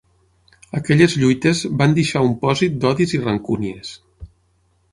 Aquelles lluites van deixar un pòsit d'odis i rancúnies.